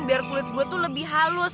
biar kulit gue tuh lebih halus